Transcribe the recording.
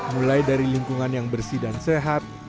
mulai dari lingkungan yang bersih dan sehat